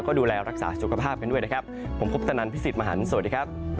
โปรดติดตามตอนต่อไป